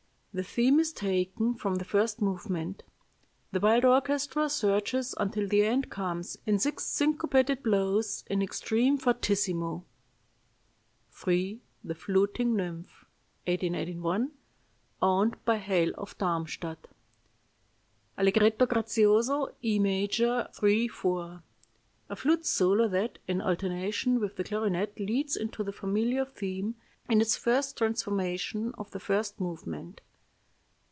The theme is taken from the first movement.... The wild orchestra surges until the end comes, in six syncopated blows, in extreme fortissimo. "III. THE FLUTING NYMPH (1881; owned by von Heyl of Darmstadt) "Allegretto grazioso, E major, 3 4. A flute solo that, in alternation with the clarinet, leads into the familiar theme, in its first transformation, of the first movement.